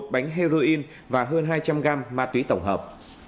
một bánh heroin và hơn hai trăm linh gram ma túy tổng hợp